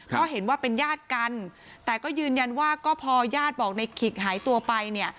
เพราะเห็นว่าเป็นญาติกันแต่ก็ยืนยันว่าก็พอญาติบอกในขิกหายตัวไปเนี่ย